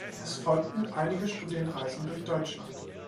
Es folgten einige Studienreisen durch Deutschland.